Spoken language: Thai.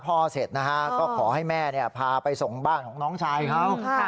เสร็จนะฮะก็ขอให้แม่พาไปส่งบ้านของน้องชายเขา